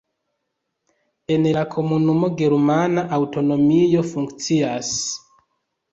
En la komunumo germana aŭtonomio funkcias.